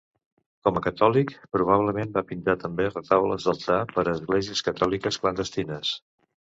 Com a catòlic, probablement va pintar també retaules d'altar per a esglésies catòliques clandestines.